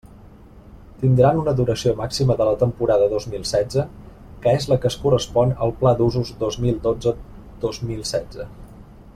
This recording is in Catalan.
Tindran una duració màxima de la temporada dos mil setze, que és la que es correspon al Pla d'Usos dos mil dotze dos mil setze.